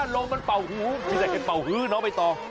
ลงมาเปาหู้อาจเปาหื้นไม่ตอร์